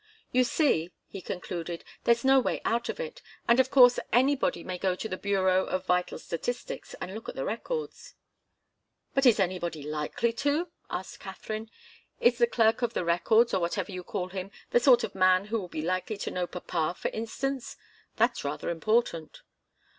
"You see," he concluded, "there's no way out of it. And, of course, anybody may go to the Bureau of Vital Statistics and look at the records." "But is anybody likely to?" asked Katharine. "Is the Clerk of the Records, or whatever you call him, the sort of man who would be likely to know papa, for instance? That's rather important."